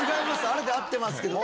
あれで合ってますけど。